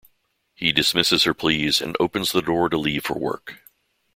He dismisses her pleas and opens the door to leave for work.